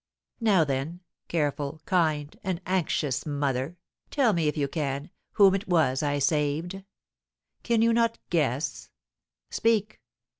Now then, careful, kind, and anxious mother, tell me, if you can, whom it was I saved! Can you not guess? Speak!